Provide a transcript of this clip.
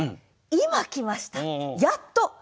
「今」来ました。